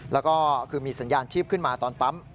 แล้วก็คือมีสัญญาณชีพขึ้นมาตอนปั๊ม